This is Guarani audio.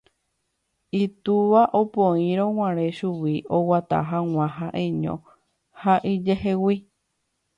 itúva opoírõguare chugui oguata hag̃ua ha'eño ha ijehegui